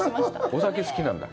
お酒、好きなんだ？